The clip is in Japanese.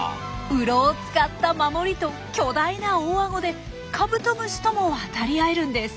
洞を使った守りと巨大な大アゴでカブトムシとも渡り合えるんです。